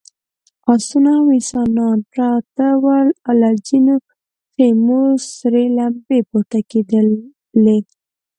آسونه او انسانان پراته ول، له ځينو خيمو سرې لمبې پورته کېدلې….